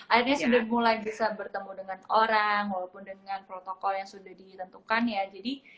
ada sudah mulai bisa bertemu dengan orang walaupun dengan protokol yang sudah ditentukan ya jadi